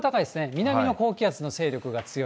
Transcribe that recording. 南の高気圧の勢力が強い。